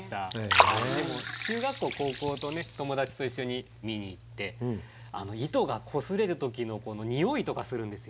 でも中学校高校とね友達と一緒に見に行って糸がこすれる時のにおいとかするんですよね。